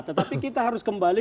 tetapi kita harus kembali